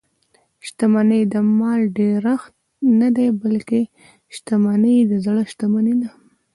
شتمني د مال ډېرښت نه دئ؛ بلکي شتمني د زړه شتمني ده.